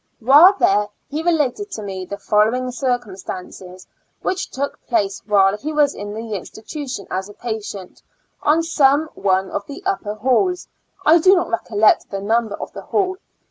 While there he related to me the follow ing circumstances which took place while he was in the institution as a patient, on some one of the upper halls; I do not recol lect the number of the hall.